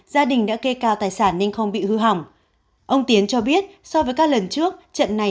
gia đình đã kê cao tài sản nên không bị hư hỏng ông tiến cho biết so với các lần trước trận này